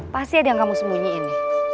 pasti ada yang kamu sembunyiin